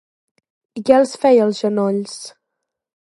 I què els feia als genolls?